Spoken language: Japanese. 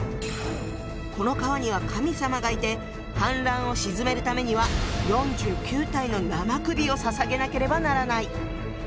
この川には神様がいて氾濫を鎮めるためには４９体の生首を捧げなければならない。